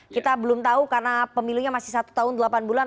kita belum tahu karena pemilunya masih satu tahun delapan bulan